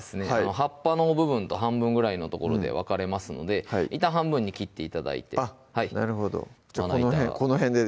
葉っぱの部分と半分ぐらいの所で分かれますのでいったん半分に切って頂いてあっなるほどこの辺でいいですか？